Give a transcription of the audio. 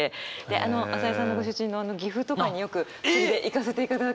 あの朝井さんのご出身の岐阜とかによく釣りで行かせていただくので。